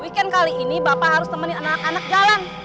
weekend kali ini bapak harus temenin anak anak jalan